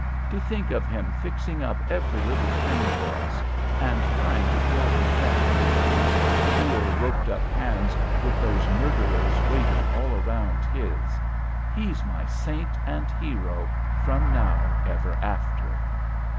To think of him fixing up every little thing for us, and trying to pull his jacket over his poor roped up hands, with those murderers waiting all round his. He's my saint and hero from now ever after."